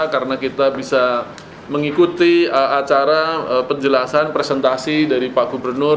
karena kita bisa mengikuti acara penjelasan presentasi dari pak gubernur